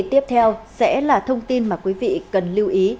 tiếp theo sẽ là thông tin mà quý vị cần lưu ý